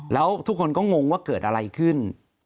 แล้วทุกคนก็งงว่าเกิดอะไรขึ้น